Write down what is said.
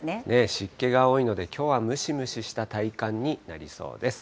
湿気が多いので、きょうはムシムシした体感になりそうです。